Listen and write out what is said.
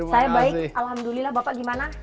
saya baik alhamdulillah bapak gimana